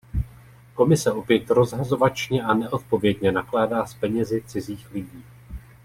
Komise opět rozhazovačně a neodpovědně nakládá s penězi cizích lidí.